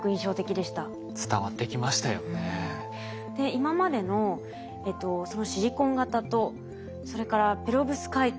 今までのシリコン型とそれからペロブスカイト。